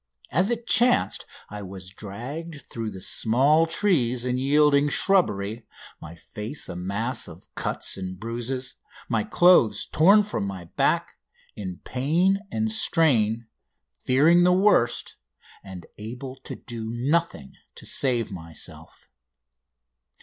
As it chanced, I was dragged through the small trees and yielding shrubbery, my face a mass of cuts and bruises, my clothes torn from my back, in pain and strain, fearing the worst, and able to do nothing to save myself.